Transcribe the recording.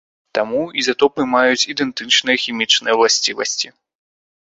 Таму, ізатопы маюць ідэнтычныя хімічныя ўласцівасці.